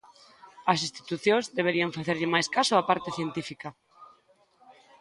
As institucións deberían facerlle máis caso á parte científica.